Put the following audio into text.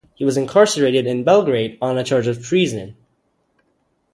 He was incarcerated in Belgrade on a charge of treason.